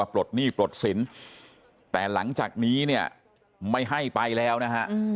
ปลดหนี้ปลดสินแต่หลังจากนี้เนี่ยไม่ให้ไปแล้วนะฮะ